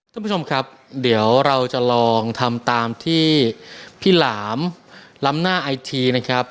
คุณผู้ชมครับเดี๋ยวเราจะลองทำตามที่พี่หลามล้ำหน้าไอทีนะครับ